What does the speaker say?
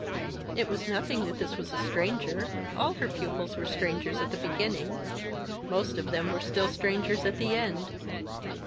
It was nothing that this was a stranger all her pupils were strangers at the beginning; most of them were still strangers at the end.